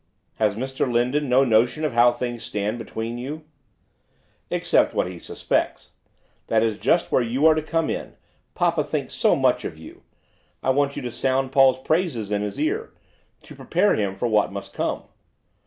'Has Mr Lindon no notion of how things stand between you?' 'Except what he suspects. That is just where you are to come in, papa thinks so much of you I want you to sound Paul's praises in his ear to prepare him for what must come.